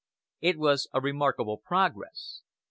It was a remarkable progress.